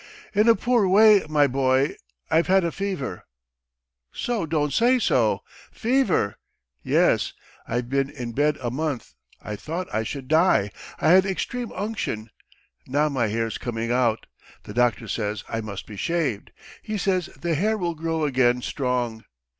"In a poor way, my boy. I've had a fever." "You don't say so! Fever!" "Yes, I have been in bed a month; I thought I should die. I had extreme unction. Now my hair's coming out. The doctor says I must be shaved. He says the hair will grow again strong.